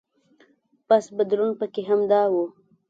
بس بدلون پکې همدا و.